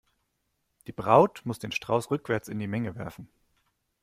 Die Braut muss den Strauß rückwärts in die Menge werfen.